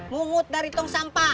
mungut dari tong sampah